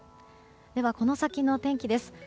では、この先の天気です。